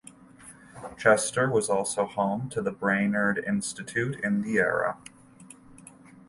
Chester was also home to the Brainerd Institute in the era.